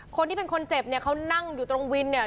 คนที่เป็นคนเจ็บเนี่ยเขานั่งอยู่ตรงวินเนี่ย